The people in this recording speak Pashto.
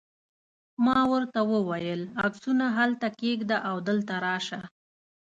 ما ورته وویل: عکسونه هلته کښېږده او دلته راشه.